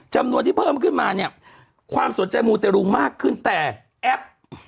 จำนวนที่เพิ่มขึ้นมาเนี่ยความสนใจมูเตรุงมากขึ้นแต่แอป